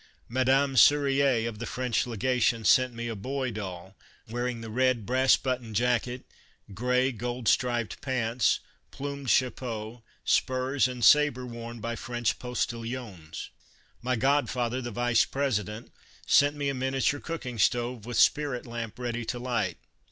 Madame Serrurier of the French Legation sent me a boy doll wearing the red, brass button jacket, grey, gold striped pants, plumed chapeau, spurs and sabre worn by French postilions. My god father, the Vice President, sent me a min iature cooking stove with spirit lamp ready to light.